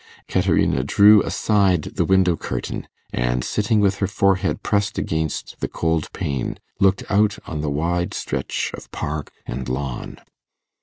Caterina drew aside the window curtain; and, sitting with her forehead pressed against the cold pane, looked out on the wide stretch of park and lawn.